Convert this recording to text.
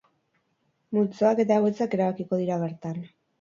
Multzoak eta egoitzak erabakiko dira bertan.